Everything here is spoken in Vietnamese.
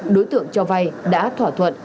đối tượng cho vai đã thỏa thuận